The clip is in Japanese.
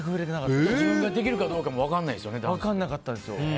自分ができるかどうかも分からなかったです。